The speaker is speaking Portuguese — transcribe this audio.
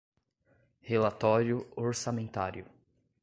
Relatório orçamentário